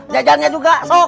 jajannya juga sok